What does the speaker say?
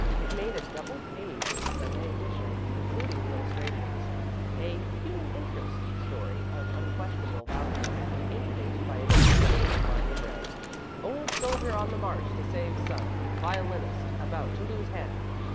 It made a double page in the Sunday edition, including the illustrations a "human interest" story of unquestionable value, introduced by a screaming headline in red: "Old Soldier on the March to Save Son. Violinist about to Lose Hand."